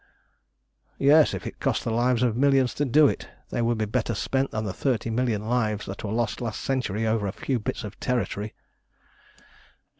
"Yes, if it cost the lives of millions to do it! They would be better spent than the thirty million lives that were lost last century over a few bits of territory."